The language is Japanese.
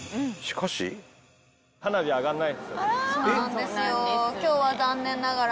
そうなんですよ。